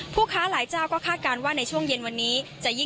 ค้าหลายเจ้าก็คาดการณ์ว่าในช่วงเย็นวันนี้